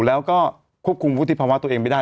แล้วก็ควบคุมวุฒิภาวะตัวเองไม่ได้